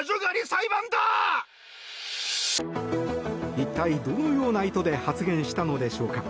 一体どのような意図で発言したのでしょうか。